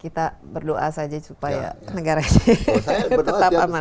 kita berdoa saja supaya negara ini tetap aman